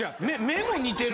目も似てる。